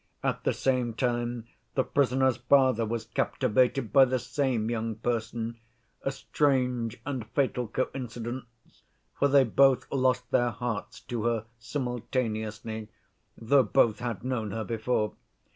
At the same time the prisoner's father was captivated by the same young person—a strange and fatal coincidence, for they both lost their hearts to her simultaneously, though both had known her before.